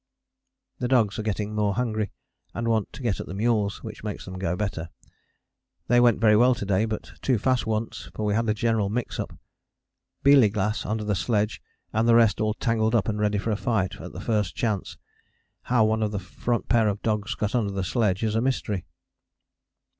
The dogs are getting more hungry, and want to get at the mules, which makes them go better. They went very well to day, but too fast once, for we had a general mix up: Bieliglass under the sledge and the rest all tangled up and ready for a fight at the first chance. How one of the front pair of dogs got under the sledge is a mystery.